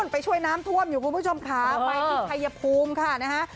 ไปช่วยน้ำท่วมอยู่คุณผู้ชมค่ะไปที่ชัยภูมิค่ะนะฮะ